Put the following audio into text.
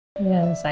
ya allah aku gak kuat